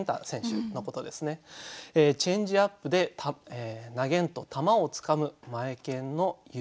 「チェンジアップで投げんと球を掴むマエケンの指」